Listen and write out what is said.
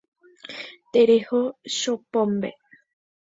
Tereho chopombe.